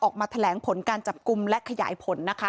ออกมาแถลงผลการจับกลุ่มและขยายผลนะคะ